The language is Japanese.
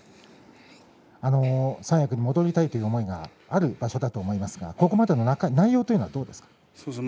三役に戻りたいという思いがある場所だと思いますがここまでの内容は、どうですか。